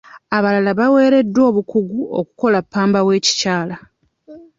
Abalala baaweereddwa obukugu okukola ppamba w'ekikyala.